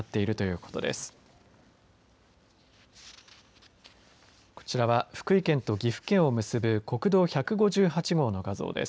こちらは福井県と岐阜県を結ぶ国道１５８号の画像です。